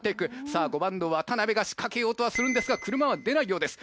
さぁ５番の渡辺が仕掛けようとはするんですが車は出ないようです